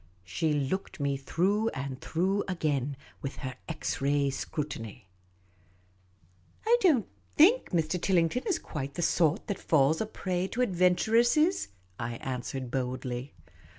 She looked me through and through again with her X ray scrutiny. " I don't think Mr. Tillington is quite the sort that falls a prey to adventuresses, '' I answered, boldly.